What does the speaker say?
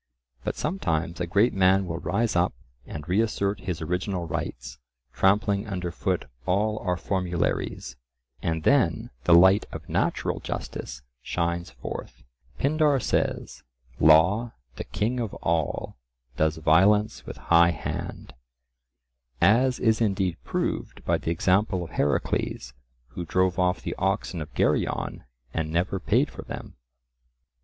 But sometimes a great man will rise up and reassert his original rights, trampling under foot all our formularies, and then the light of natural justice shines forth. Pindar says, "Law, the king of all, does violence with high hand;" as is indeed proved by the example of Heracles, who drove off the oxen of Geryon and never paid for them.